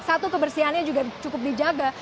satu kebersihannya juga cukup dijaga